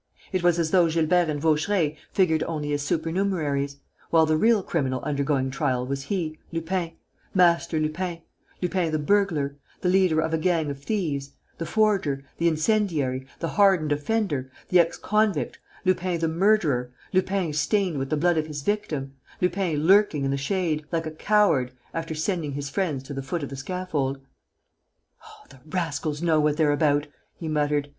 It was as though Gilbert and Vaucheray figured only as supernumeraries, while the real criminal undergoing trial was he, Lupin, Master Lupin, Lupin the burglar, the leader of a gang of thieves, the forger, the incendiary, the hardened offender, the ex convict, Lupin the murderer, Lupin stained with the blood of his victim, Lupin lurking in the shade, like a coward, after sending his friends to the foot of the scaffold. "Oh, the rascals know what they're about!" he muttered.